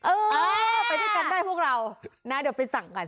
เออไปด้วยกันได้พวกเรานะเดี๋ยวไปสั่งกัน